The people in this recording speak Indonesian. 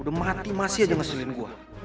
udah mati masih aja ngeselin gue